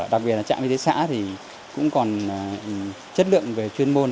đặc biệt là trạm y tế xã thì cũng còn chất lượng về chuyên môn